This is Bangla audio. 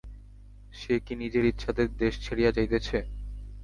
সে কি নিজের ইচ্ছাতে দেশ ছাড়িয়া যাইতেছে?